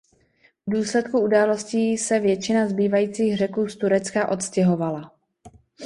V důsledku událostí se většina zbývajících Řeků z Turecka odstěhovala.